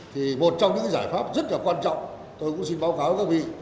thì một trong những giải pháp rất là quan trọng tôi cũng xin báo cáo các vị